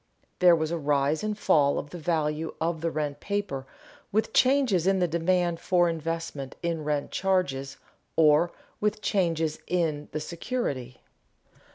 There was a rise and fall of the value of the rent paper with changes in the demand for investment in rent charges or with changes in the security.